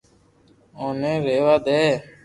اوني رھيوا دي